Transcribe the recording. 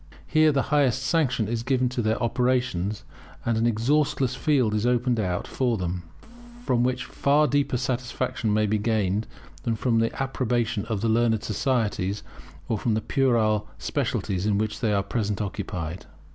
Here the highest sanction is given to their operations, and an exhaustless field is opened out for them, from which far deeper satisfaction may be gained than from the approbation of the learned societies, or from the puerile specialities with which they are at present occupied.